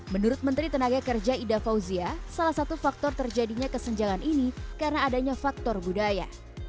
menurut menteri tenaga kerja ida fauzia salah satu faktor terjadinya kesenjangan ini karena adanya faktor budaya